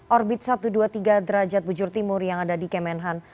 orbit satu ratus dua puluh tiga derajat bujur timur yang ada di kemenhan